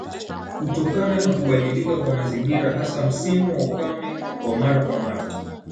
Kutokana na kubadilika kwa mazingira hasa msimu wa ukame wa mara kwa mara